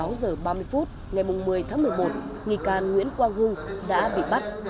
một mươi giờ ba mươi phút ngày một mươi tháng một mươi một nghi can nguyễn quang hưng đã bị bắt